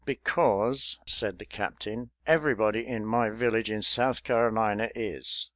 "Because," said the captain, "everybody in my village in South Carolina is.